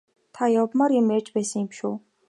Та явмаар юм ярьж байсан биш үү?